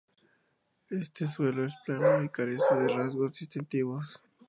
Este suelo es plano y carece de rasgos distintivos.